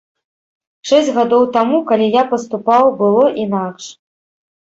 Шэсць гадоў таму, калі я паступаў, было інакш.